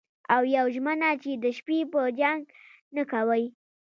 او یوه ژمنه چې د شپې به جنګ نه کوئ